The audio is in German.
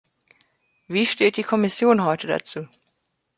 Wie steht die Kommission heute dazu?